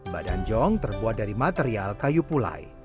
badan jong terbuat dari material kayu pulai